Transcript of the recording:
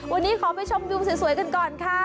วันนี้ขอไปชมวิวสวยกันก่อนค่ะ